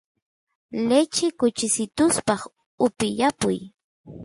lechi kuchisituspaq upiyapuy